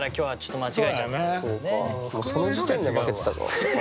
もうその時点で負けてたか。